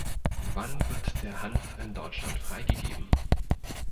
Wann wird der Hanf in Deutschland freigegeben?